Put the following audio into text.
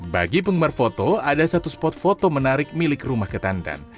bagi penggemar foto ada satu spot foto menarik milik rumah ketandan